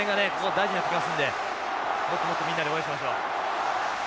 大事になってきますんでもっともっとみんなで応援しましょう。